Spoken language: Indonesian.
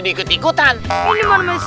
t'aila ratusan musa